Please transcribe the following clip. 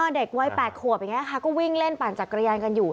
เด็กวัย๘ขวบอย่างนี้ค่ะก็วิ่งเล่นปั่นจักรยานกันอยู่